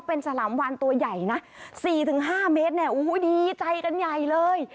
เป็นสลามวานตัวใหญ่นะสี่ถึงห้าเมตรแน่โอ้โหดีใจกันใหญ่เลย